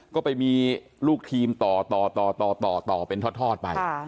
ก็ไปมีลูกทีมต่อต่อต่อต่อต่อเป็นทอดทอดไปค่ะ